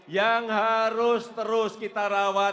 yang harus terus kita rawat